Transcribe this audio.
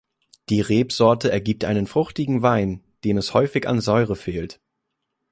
Die Rebsorte ergibt einen fruchtigen Wein, dem es häufig an Säure fehlt.